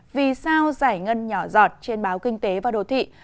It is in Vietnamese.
vì sao giải ngân nhỏ dọt trên báo kinh tế và đồ thị